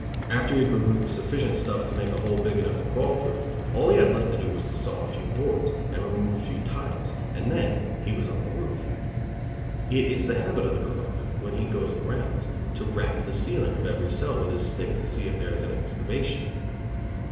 After he had removed sufficient stuff to make a hole big enough to crawl through, all he had left to do was to saw a few boards, and remove a few tiles, and then he was on the roof. It is the habit of the guard, when he goes the rounds, to rap the ceiling of every cell with his stick, to see if there is an excavation.